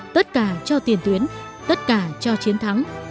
tất cả cho tiền tuyến tất cả cho chiến thắng